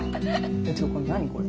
ちょっと何これ？